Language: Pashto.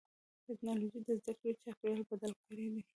ټکنالوجي د زدهکړې چاپېریال بدل کړی دی.